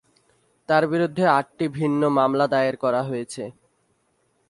তার বিরুদ্ধে আটটি ভিন্ন মামলা দায়ের করা হয়েছে।